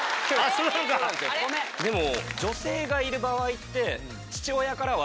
でも。